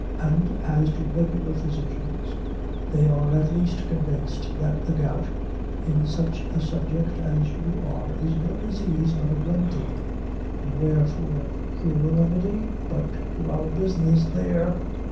And, as to regular physicians, they are at last convinced that the gout, in such a subject as you are, is no disease, but a remedy; and wherefore cure a remedy? but to our business, there.